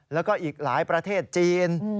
แล้วก็อีกหลายประเทศจีน